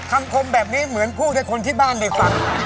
คมแบบนี้เหมือนพูดให้คนที่บ้านได้ฟัง